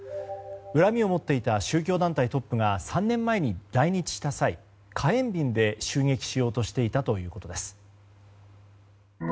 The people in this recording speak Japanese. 恨みを持っていた宗教団体トップが３年前に来日した際火炎瓶で襲撃しようとしていたということです。